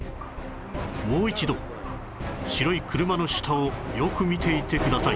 もう一度白い車の下をよく見ていてください